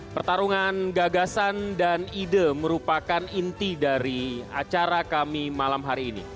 pertarungan gagasan dan ide merupakan inti dari acara kami malam hari ini